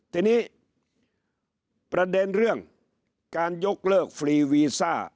ทีนี้ประเด็นเรื่องการยกเลิกฟรีวีซ่า